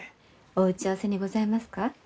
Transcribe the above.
お打ち合わせにございますか？